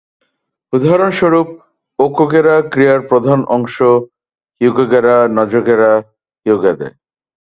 উদাহরণস্বরূপ, "ওকউগেরা" ক্রিয়ার প্রধান অংশ "ইয়োগেরা-নজোগেরা-ইয়োগেদে"।